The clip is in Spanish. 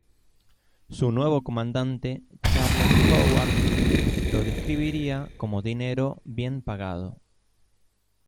Su nuevo comandante, Charles Howard, lo describiría como "dinero bien pagado".